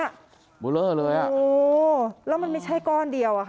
บับลอเวอร์เลยอ่ะโหแล้วมันไม่ใช่ก้อนเดียว